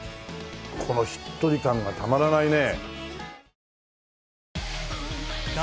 このしっとり感がたまらないね。